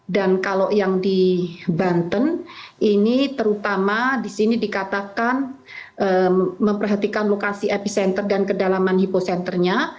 dan kalau yang di banten ini terutama disini dikatakan memperhatikan lokasi epicenter dan kedalaman hipocenternya